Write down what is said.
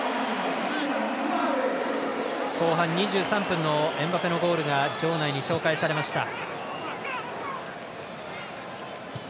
後半２３分のエムバペのゴールが場内に紹介されました。